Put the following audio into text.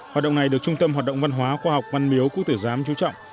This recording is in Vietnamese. hoạt động này được trung tâm hoạt động văn hóa khoa học văn miếu quốc tử giám chú trọng